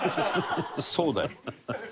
そうだよ」